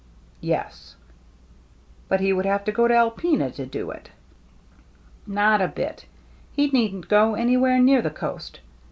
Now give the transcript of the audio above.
" Yes." " But he would have to go to Alpena to do it." " Not a bit. He needn't go anywhere near the coast.